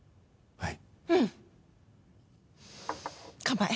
はい。